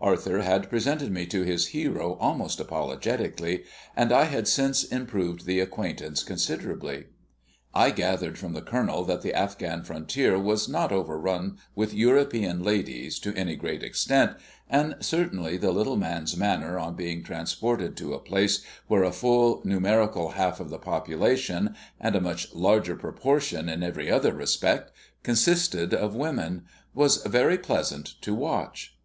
Arthur had presented me to his hero almost apologetically, and I had since improved the acquaintance considerably. I gathered from the Colonel that the Afghan frontier was not overrun with European ladies to any great extent, and certainly the little man's manner on being transported to a place where a full numerical half of the population (and a much larger proportion in every other respect) consisted of women, was very pleasant to watch.